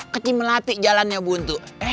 kecimelati jalannya buntu